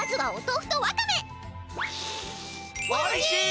おいしい！